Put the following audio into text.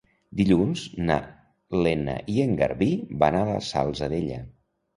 Dilluns na Lena i en Garbí van a la Salzadella.